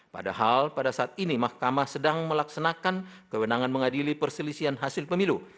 padahal pada saat ini mahkamah sedang melaksanakan kewenangan mengadili perselisihan hasil pemilu